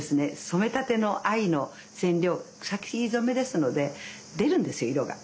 染めたての藍の染料草木染めですので出るんですよ色が。